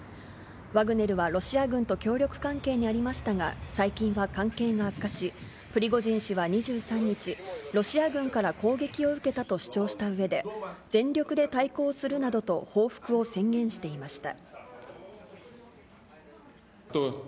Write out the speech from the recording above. ワグネルはロシア軍と協力関係にありましたが、最近は関係が悪化し、プリゴジン氏は２３日、ロシア軍から攻撃を受けたと主張したうえで、全力で対抗するなどと報復を宣言していました。